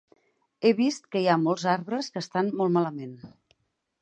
He vist que hi ha molts arbres que estan molt malament.